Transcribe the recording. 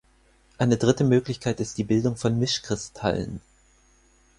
Eine dritte Möglichkeit ist die Bildung von Mischkristallen.